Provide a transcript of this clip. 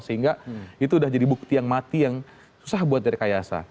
sehingga itu sudah jadi bukti yang mati yang susah buat dari kayasa